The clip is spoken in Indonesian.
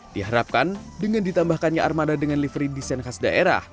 diharapkan dengan ditambahkannya armada dengan livery desain khas daerah